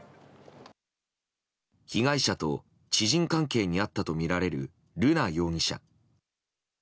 被害者と知人関係にあったとみられる瑠奈容疑者。